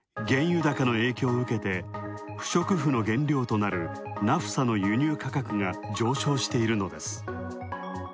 原油高の影響を受けて不織布の原料となるナフサの輸入価格が上昇しているのです。